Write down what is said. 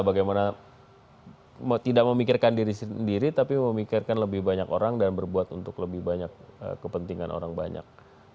bagaimana tidak memikirkan diri sendiri tapi memikirkan lebih banyak orang dan berbuat untuk lebih banyak kepentingan orang banyak